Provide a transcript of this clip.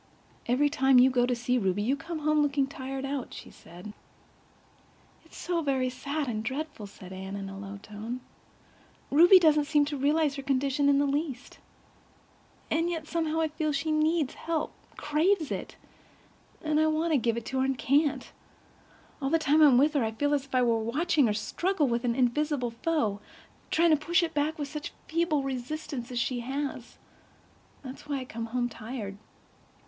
"Every time you go to see Ruby you come home looking tired out," she said. "It's so very sad and dreadful," said Anne in a low tone. "Ruby doesn't seem to realize her condition in the least. And yet I somehow feel she needs help—craves it—and I want to give it to her and can't. All the time I'm with her I feel as if I were watching her struggle with an invisible foe—trying to push it back with such feeble resistance as she has. That is why I come home tired."